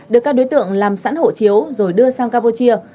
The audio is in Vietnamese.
được các đối tượng làm sẵn hộ chiếu rồi đưa sang campuchia